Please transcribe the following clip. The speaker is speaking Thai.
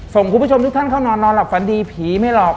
คุณผู้ชมทุกท่านเข้านอนนอนหลับฝันดีผีไม่หลอก